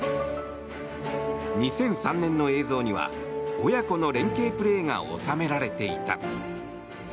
２００３年の映像には親子の連係プレーが収められていた。